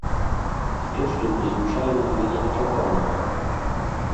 Што ж тут незвычайнага і нечаканага?